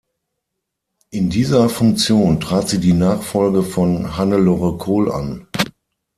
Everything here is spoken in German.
In dieser Funktion trat sie die Nachfolge von Hannelore Kohl an.